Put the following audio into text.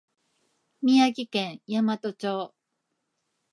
宮城県大和町